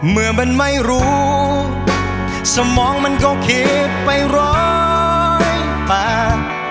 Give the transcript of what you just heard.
เมื่อมันไม่รู้สมองมันก็เคไปร้อยปาก